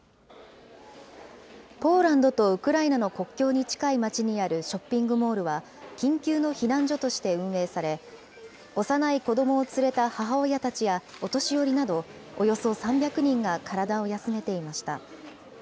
ポーランドとウクライナの国境に近い街にあるショッピングモールは、緊急の避難所として運営され、幼い子どもを連れた母親たちやお年寄りなど、およそ３００人が体を休めていました。